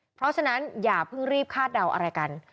เพราะฉะนั้นอย่าเพิ่งรีบคาดเดาอะไรกัน